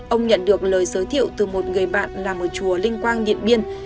ông nhận được lời giới thiệu từ một người bạn làm ở chùa linh quang điện biên